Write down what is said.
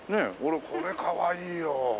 これかわいいよ。